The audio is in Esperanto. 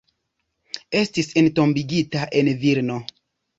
Estis entombigita en Vilno.